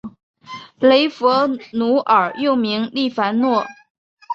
雷佛奴尔又名利凡诺。